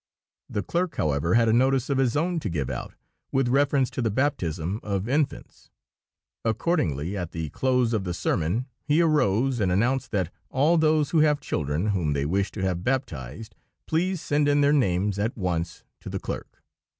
The clerk, however, had a notice of his own to give out with reference to the baptism of infants. Accordingly, at the close of the sermon he arose and announced that "All those who have children whom they wish to have baptized please send in their names at once to the clerk."